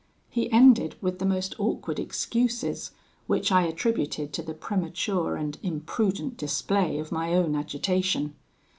He ended with the most awkward excuses, which I attributed to the premature and imprudent display of my own agitation.